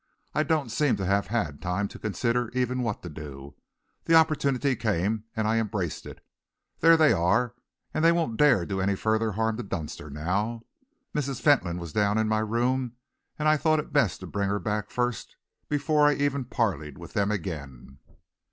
"I don't seem to have had time to consider even what to do. The opportunity came, and I embraced it. There they are, and they won't dare to do any further harm to Dunster now. Mrs. Fentolin was down in my room, and I thought it best to bring her back first before I even parleyed with them again."